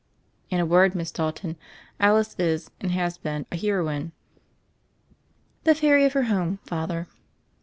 "In a word. Miss Dalton, Alice is and has been a heroine." "The fairy of her home. Father."